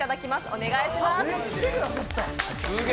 お願いします。